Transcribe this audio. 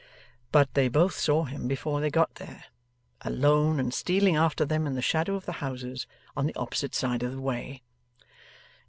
But, they both saw him, before they got there; alone, and stealing after them in the shadow of the houses, on the opposite side of the way.